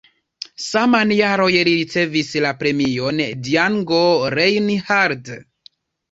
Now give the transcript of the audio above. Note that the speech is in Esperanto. Saman jaroj li ricevis la Premion Django Reinhardt.